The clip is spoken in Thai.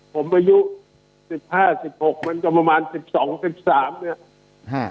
ผมอายุสิบห้าสิบหกมันก็ประมาณสิบสองสิบสามเนี่ย